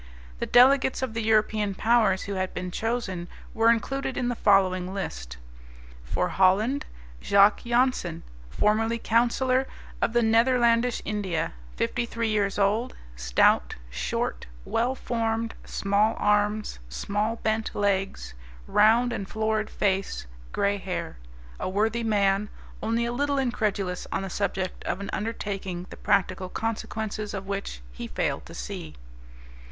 The delegates of the European powers who had been chosen were included in the following list: For Holland Jacques Jansen, formerly Counsellor of the Netherlandish India; fifty three years old, stout, short, well formed, small arms, small bent legs, round and florid face, gray hair; a worthy man, only a little incredulous on the subject of an undertaking the practical consequences of which he failed to see.